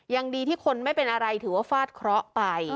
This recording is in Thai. ยังดีที่คนไม่เป็นอะไรถือว่าฟาดเคราะห์ไป